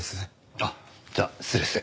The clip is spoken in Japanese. あっじゃあ失礼して。